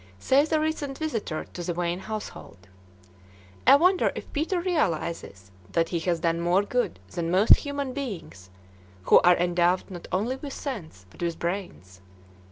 Says a recent visitor to the Wain household: "I wonder if Peter realizes that he has done more good than most human beings, who are endowed not only with sense but with brains?